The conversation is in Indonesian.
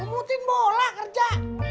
tumpulin bola kerja